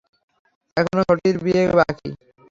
এখনো ছোটির বিয়ে বাকী!